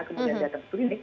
kemudian datang ke klinik